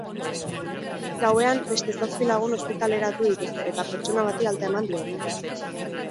Gauean beste zazpi lagun ospitaleratu dituzte eta pertsona bati alta eman diote.